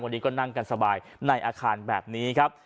วันนี้ก็นั่งกันสบายในอาคารแบบนี้ครับ